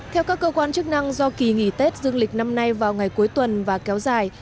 theo các cơ quan chức năng do kỳ nghỉ tết dương lịch năm nay vào ngày cuối tuần và kéo dài